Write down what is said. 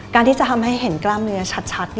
ที่จะทำให้เห็นกล้ามเนื้อชัด